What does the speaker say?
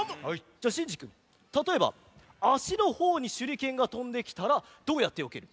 じゃあシンジくんたとえばあしのほうにしゅりけんがとんできたらどうやってよける？